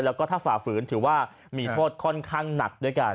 แล้วก็ถ้าฝ่าฝืนถือว่ามีโทษค่อนข้างหนักด้วยกัน